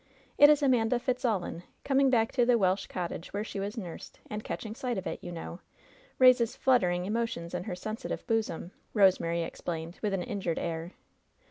"It is Amanda Fitzallan, coming back to the Welsh cottage where she was nursed, and catching sight of it, you know, raises fluttering emotions in her sensitive bosom," Rosemary explained, with an injured air.